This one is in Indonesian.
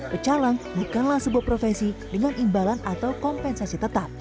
pecalang bukanlah sebuah profesi dengan imbalan atau kompensasi tetap